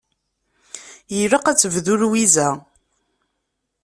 Ilaq ad tebdu Lwiza.